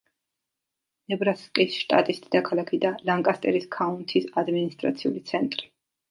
ნებრასკის შტატის დედაქალაქი და ლანკასტერის ქაუნთის ადმინისტრაციული ცენტრი.